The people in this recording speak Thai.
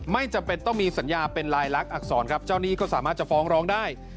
ไม่จำเป็นต้องมีสัญญาเป็นลายลักษณอักษรครับเจ้าหนี้ก็สามารถจะฟ้องร้องได้